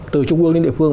từ trung quốc đến địa phương